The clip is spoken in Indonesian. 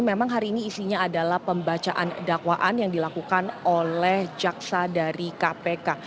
memang hari ini isinya adalah pembacaan dakwaan yang dilakukan oleh jaksa dari kpk